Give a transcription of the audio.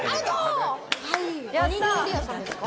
何料理屋さんですか？